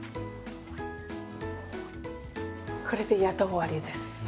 これでやっと終わりです。